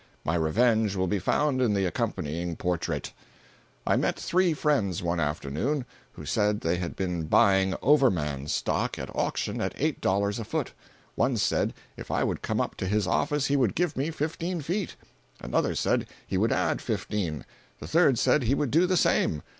[My revenge will be found in the accompanying portrait.] I met three friends one afternoon, who said they had been buying "Overman" stock at auction at eight dollars a foot. One said if I would come up to his office he would give me fifteen feet; another said he would add fifteen; the third said he would do the same.